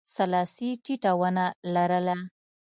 سلاسي ټیټه ونه لرله.